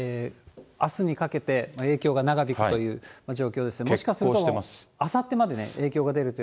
あすにかけて、影響が長引くという状況ですのでもしかすると、あさってまで影響